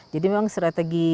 jadi memang strategi